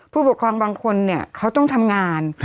ผู้ปกครองบางคนเนี่ยเขาต้องทำงาน